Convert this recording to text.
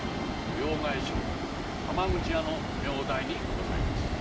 両替商・浜口屋の名代にございます。